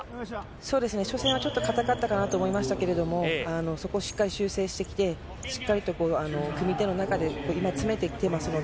そうですね、初戦はちょっと硬かったかなと思いましたけど、そこをしっかり修正してきて、しっかりと組み手の中で今、詰めてきてますので。